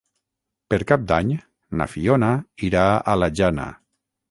Per Cap d'Any na Fiona irà a la Jana.